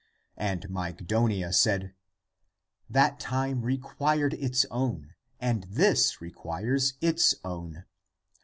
And Mygdonia said, " That time required its own, and this requires its own.